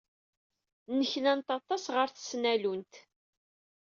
Nneknant aṭas ɣer tesnallunt.